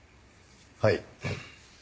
はい。